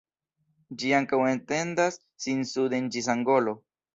Ĝi ankaŭ etendas sin suden ĝis Angolo.